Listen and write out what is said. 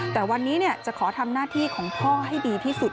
แต่วันนี้จะขอทำหน้าที่ของพ่อให้ดีที่สุด